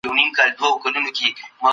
ډيپلوماسي د اقتصادي ودې سرچینه ده.